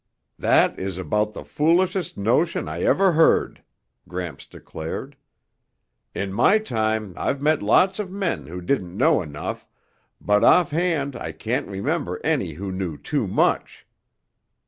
"That is about the foolishest notion I ever heard," Gramps declared. "In my time I've met lots of men who didn't know enough, but offhand I can't remember any who knew too much.